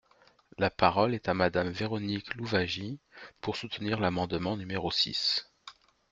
La parole est à Madame Véronique Louwagie, pour soutenir l’amendement numéro six.